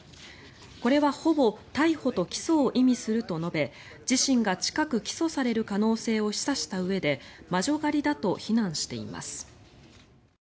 これはほぼ逮捕と起訴を意味すると述べ自身が近く起訴される可能性を示唆したうえで魔女狩りだと非難しています。